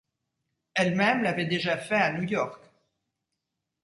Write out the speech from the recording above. Elle-même l'avait déjà fait à New York.